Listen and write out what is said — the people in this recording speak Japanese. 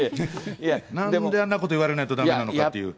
なんであんなこと言われないとだめなのかという。